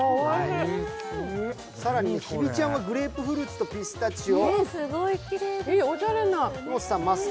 更に日比ちゃんはグレープフルーツとピスタチオ。